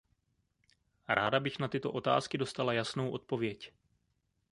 Ráda bych na tyto otázky dostala jasnou odpověď.